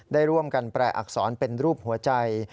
ได้ร่วมกันแปลอักษรเป็นรูปหัวใจ